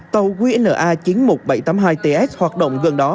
tàu qna chín mươi một nghìn bảy trăm tám mươi hai ts hoạt động gần đó